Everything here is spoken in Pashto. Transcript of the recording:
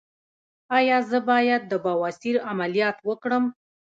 ایا زه باید د بواسیر عملیات وکړم؟